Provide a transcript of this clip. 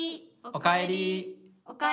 おかえり。